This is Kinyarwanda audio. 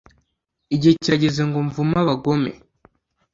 igihe kirageze ngo mvume abagome